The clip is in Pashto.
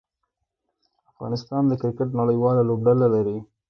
افغانستان د کرکټ نړۍواله لوبډله لري.